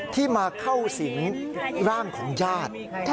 ที่มาเข้าสิงร่างของญาติ